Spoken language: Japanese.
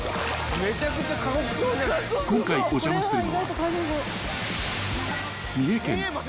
［今回お邪魔するのは］